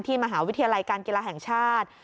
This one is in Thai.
มหาวิทยาลัยการกีฬาแห่งชาติ